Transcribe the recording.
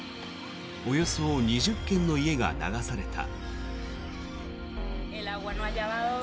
およそ２０軒の家が流された。